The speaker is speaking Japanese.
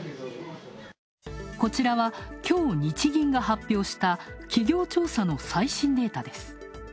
こちらは、きょう日銀が発表した企業調査の最新データです。